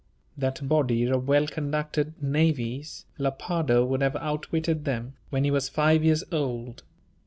That body of well conducted navvies Lepardo would have outwitted them, when he was five years old.